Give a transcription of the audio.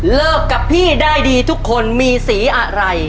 เลิกกับพี่ได้ดีทุกคนมีสีอะไร